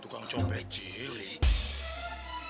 tukang copet cilik